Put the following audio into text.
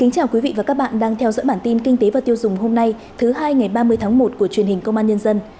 chào mừng quý vị đến với bản tin kinh tế và tiêu dùng hôm nay thứ hai ngày ba mươi tháng một của truyền hình công an nhân dân